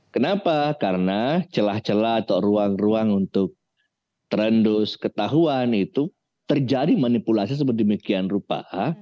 kenapa karena celah celah atau ruang ruang untuk terendus ketahuan itu terjadi manipulasi seberdemikian rupa